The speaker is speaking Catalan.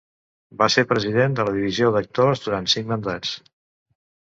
Va ser President de la Divisió d'Actors durant cinc mandats.